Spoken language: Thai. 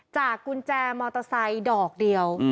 กุญแจมอเตอร์ไซค์ดอกเดียว